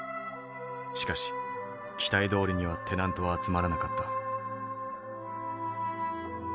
しかし期待どおりにはテナントは集まらなかった。